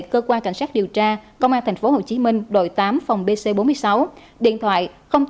cơ quan cảnh sát điều tra công an tp hcm đội tám phòng bc bốn mươi sáu điện thoại tám trăm ba mươi tám sáu trăm bốn mươi năm trăm linh tám